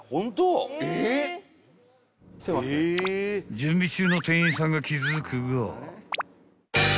［準備中の店員さんが気付くが］